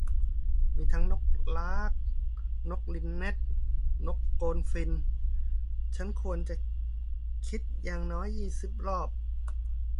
มีทั้งนกลาร์ค นกลินเน็ท นกโกลด์ฟินช์ - ฉันควรจะคิดอย่างน้อยยี่สิบรอบ